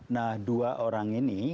nah dua orang ini